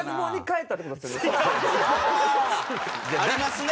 あありますね。